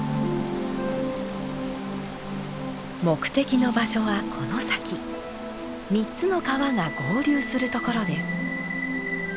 目的の場所はこの先３つの川が合流するところです。